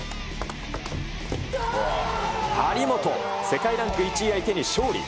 世界ランク１位相手に勝利。